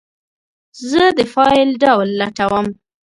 زه د فایل ډول لټوم.